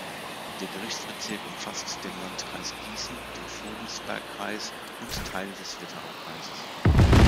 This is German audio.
Der Gerichtsbezirk umfasst den Landkreis Gießen, den Vogelsbergkreis und Teile des Wetteraukreises.